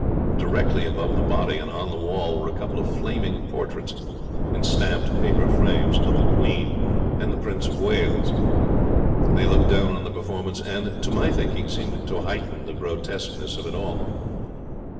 Directly above the body and on the wall, were a couple of flaming portraits, in stamped paper frames, of the Queen and the Prince of Wales. They looked down on the performance, and, to my thinking, seemed to heighten the grotesqueness of it all.